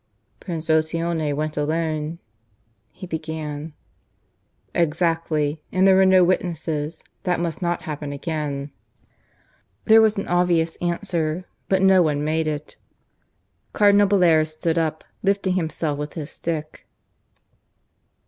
"Prince Otteone went alone " he began. "Exactly. And there were no witnesses. That must not happen again." There was an obvious answer, but no one made it. Cardinal Bellairs stood up, lifting himself with his stick.